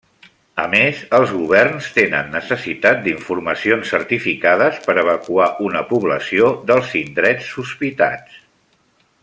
A més els governs tenen necessitat d'informacions certificades per evacuar una població dels indrets sospitats.